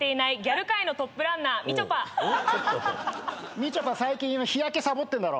みちょぱ最近日焼けサボってんだろ？